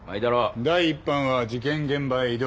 第一班は事件現場へ移動。